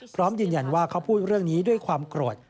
พร้อมยืนยันว่าเขาพูดเรื่องนี้ด้วยความโกรธ